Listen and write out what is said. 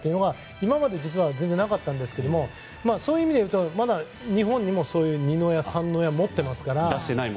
今まで実は全然なかったんですがそういう意味でいうとまだ日本にも二の矢、三の矢ありますから。